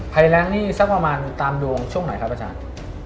ภัยแรงนี่สักประมาณตามดวงช่วงไหนครับอาจารย์